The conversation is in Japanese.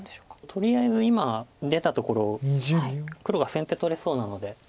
とりあえず今出たところ黒が先手取れそうなので。